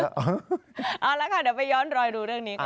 เอาละค่ะเดี๋ยวไปย้อนรอยดูเรื่องนี้ก่อน